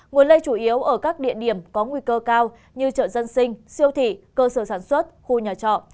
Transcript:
nguồn lây chủ yếu ở các địa điểm có nguy cơ cao như chợ dân sinh siêu thị cơ sở sản xuất khu nhà trọ